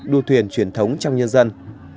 đua thuyền truyền thống trong nhân dân